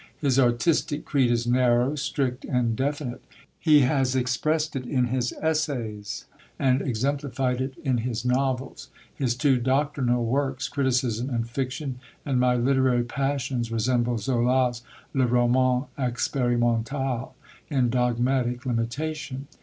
His artistic creed is narrow, strict, and definite. He has expressed it in his essays, and exemplified it in his novels. His two doctrinal works, Criticism and Fiction, and My Literary Passions, resemble Zola's Le Roman Expérimental in dogmatic limitation.